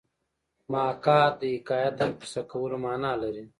محاکات د حکایت او کیسه کولو مانا لري